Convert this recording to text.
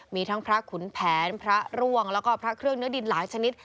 มีทั้งพระขุนแผนพระร่วงแล้วก็พระเครื่องเนื้อดินหลายชนิด